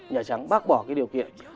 nhà trắng bác bỏ cái điều kiện